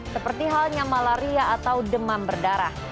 seperti halnya malaria atau demam berdarah